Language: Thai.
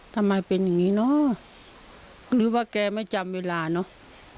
ทำไมเป็นอย่างงี้เนอะหรือว่าแกไม่จำเวลาเนอะ